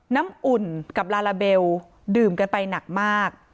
น้ำอุ่นกับลาลาเบลดื่มกันไปหนักมาก